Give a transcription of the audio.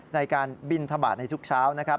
ในการบินทบาทในทุกเช้านะครับ